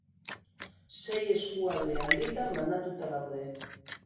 Sei eskualde handitan banatuta daude.